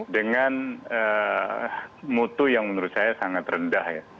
dengan mutu yang menurut saya sangat rendah ya